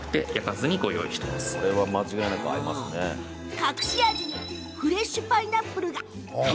隠し味にフレッシュパイナップル。